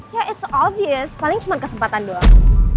ya it's obvious paling cuma kesempatan doang